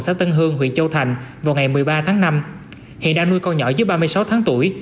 xã tân hương huyện châu thành vào ngày một mươi ba tháng năm hiện đang nuôi con nhỏ dưới ba mươi sáu tháng tuổi